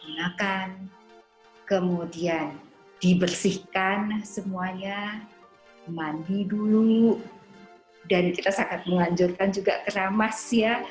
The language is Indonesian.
dibersihkan semuanya mandi dulu dan kita sangat melanjutkan juga keramas ya